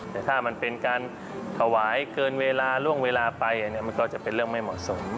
แต่ถ้ามันเป็นการถวายเกินเวลาล่วงเวลาไปมันก็จะเป็นเรื่องไม่เหมาะสม